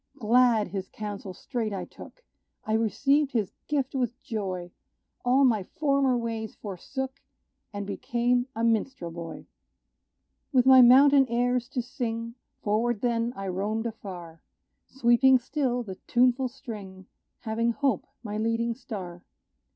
Glad, his counsel straight I took I received his gift with joy; All my former ways forsook, And became a minstrel boy. With my mountain airs to sing, Forward then I roamed afar, Sweeping still the tuneful string Having hope my leading star.